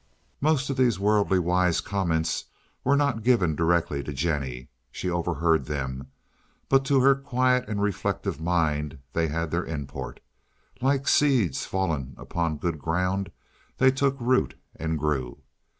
Most of these worldly wise counsels were not given directly to Jennie. She overheard them, but to her quiet and reflective mind they had their import. Like seeds fallen upon good ground, they took root and grew.